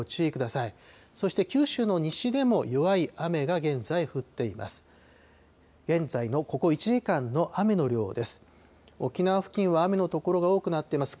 そして、九州の西でも弱い雨が現在、降っています。